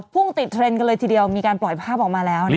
พุ่งติดเทรนด์กันเลยทีเดียวมีการปล่อยภาพออกมาแล้ว